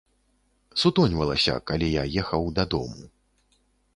Сутоньвалася, калі я ехаў дадому.